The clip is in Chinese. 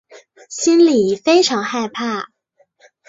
心里非常害怕